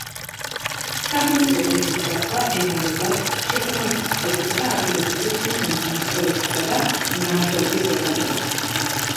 სახელმწიფო გერბის დაცვა ევალებათ შესაბამისი სახელმწიფო და ადგილობრივი თვითმმართველობისა და მმართველობის ორგანოებს.